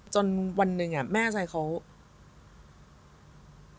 จนวันหนึ่งอ่ะแม่ใส่เค้า